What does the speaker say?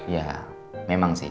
ya memang sih